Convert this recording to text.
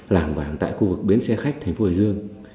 làng vàng tại khu vực biến xe khách thành phố hồi dương